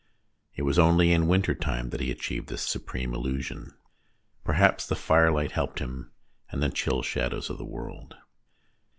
It was only in winter time that he achieved this supreme illusion ; perhaps the 28 THE DAY BEFORE YESTERDAY firelight helped him, and the chill shadows of the world.